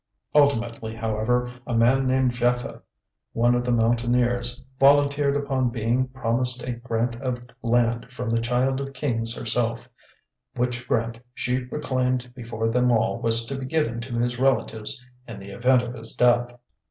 Ultimately, however, a man named Japhet, one of the Mountaineers, volunteered upon being promised a grant of land from the Child of Kings herself, which grant she proclaimed before them all was to be given to his relatives in the event of his death.